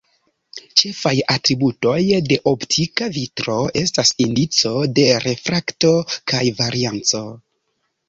Ĉefaj atributoj de optika vitro estas indico de refrakto kaj varianco.